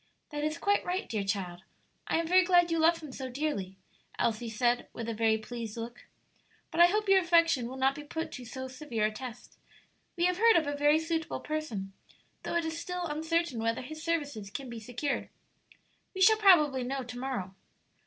"That is quite right, dear child; I am very glad you love him so dearly," Elsie said, with a very pleased look; "but I hope your affection will not be put to so severe a test; we have heard of a very suitable person, though it is still uncertain whether his services can be secured. We shall probably know to morrow."